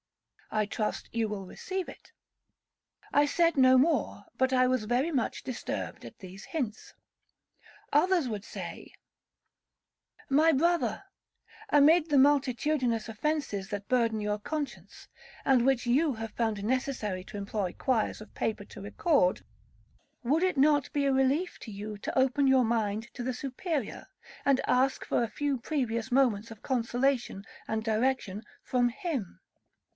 'I trust you will receive it.'—I said no more, but I was very much disturbed at these hints. Others would say, 'My brother, amid the multitudinous offences that burden your conscience, and which you have found necessary to employ quires of paper to record, would it not be a relief to you to open your mind to the Superior, and ask for a few previous moments of consolation and direction from him.'